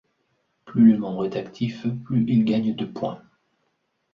Plus le membre est actif, plus il gagne de points.